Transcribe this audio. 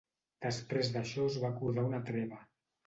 Després d'això es va acordar una treva.